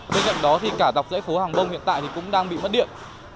bên cạnh đó thì cả dọc dãy phố hàng bông hiện tại thì cũng đang bị mất điện